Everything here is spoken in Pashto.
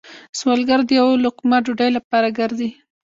سوالګر د یو لقمه ډوډۍ لپاره گرځي